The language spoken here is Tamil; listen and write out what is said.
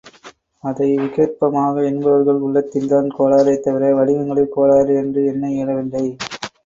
அதை விகற்பமாக எண்ணுபவர்கள் உள்ளத்தில் தான் கோளாறே தவிர வடிவங்களில் கோளாறு என்று எண்ண இயலவில்லை.